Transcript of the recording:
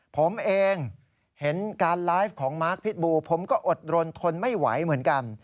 ผมเองเห็นการไลฟ์ของมาร์คพิษบูผมก็อดรนทนไม่ไหวเหมือนกัน